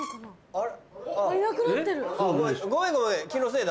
あれ？